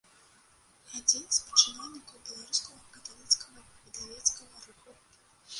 Адзін з пачынальнікаў беларускага каталіцкага выдавецкага руху.